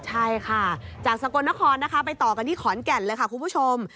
ใช่ค่ะจากสกลนครนะคะไปต่อกันที่ขอนแก่นเลยค่ะคุณผู้ชม